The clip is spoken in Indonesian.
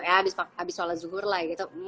ya abis sholat zuhur lah gitu